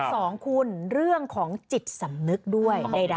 สองคุณเรื่องของจิตสำนึกด้วยใด